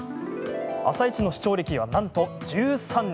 「あさイチ」の視聴歴はなんと１３年。